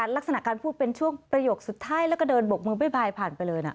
ลักษณะการพูดเป็นช่วงประโยคสุดท้ายแล้วก็เดินบกมือบ๊ายผ่านไปเลยนะ